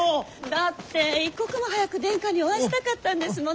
だって一刻も早く殿下にお会いしたかったんですもの。